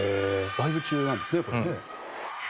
ライブ中なんですねこれね。